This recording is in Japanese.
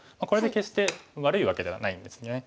これで決して悪いわけではないんですね。